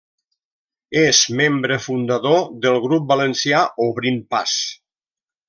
És membre fundador del grup valencià Obrint Pas.